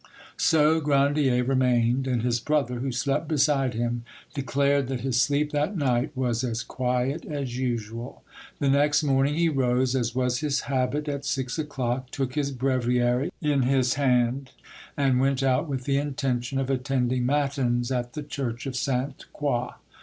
So Grandier remained, and his brother, who slept beside him, declared that his sleep that night was as quiet as usual. The next morning he rose, as was his habit, at six o'clock, took his breviary in his hand, and went out with the intention of attending matins at the church of Sainte Croix.